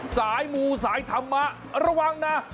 สายมูสายธรรมะระวังนะ